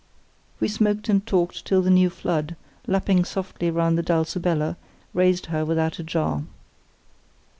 We smoked and talked till the new flood, lapping softly round the Dulcibella, raised her without a jar.